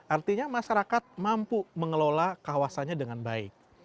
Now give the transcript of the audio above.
artinya masyarakat mampu mengelola kawasannya dengan baik